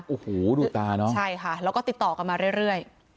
โอ้โหดูตาเนอะใช่ค่ะแล้วก็ติดต่อกันมาเรื่อย